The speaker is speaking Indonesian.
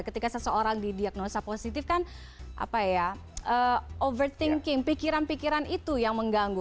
ketika seseorang didiagnosa positif kan apa ya overthinking pikiran pikiran itu yang mengganggu